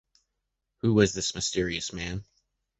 Who was this mysterious man?